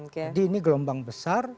jadi ini gelombang besar